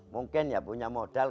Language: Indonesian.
mungkin punya modal